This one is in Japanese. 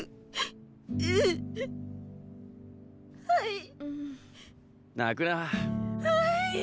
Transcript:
はい。